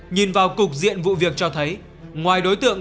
nhìn vào cục diện vụ việc cho thấy ngoài đối tượng